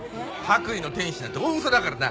白衣の天使なんて大嘘だからな。